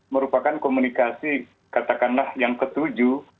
merupakan komunikasi katakanlah yang ketujuh